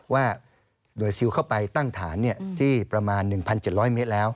ว่าหน่วยซิลเข้าไปตั้งฐานที่ประมาณ๑๗๐๐เมตรแล้ว